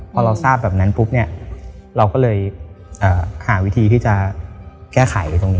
พอเราทราบแบบนั้นปุ๊บเนี่ยเราก็เลยหาวิธีที่จะแก้ไขตรงนี้